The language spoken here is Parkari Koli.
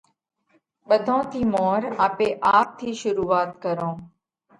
ٻڌون ٿِي مور آپي آپ ٿِي شرُوعات ڪرون